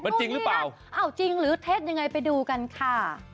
มันจริงหรือเปล่าอ้าวจริงหรือเท็จยังไงไปดูกันค่ะ